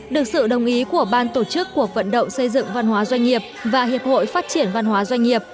được sự đồng ý của ban tổ chức cuộc vận động xây dựng văn hóa doanh nghiệp và hiệp hội phát triển văn hóa doanh nghiệp